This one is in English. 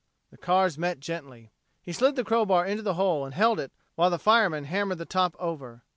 The cars met gently. He slid the crow bar into the hole and held it while the fireman hammered the top over.